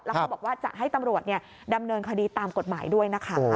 เขาบอกว่าจะให้ตำรวจดำเนินคดีตามกฎหมายด้วยนะคะ